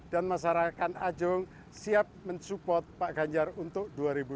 dan masyarakat ajong siap mensupport pak ganjar untuk dua ribu dua puluh empat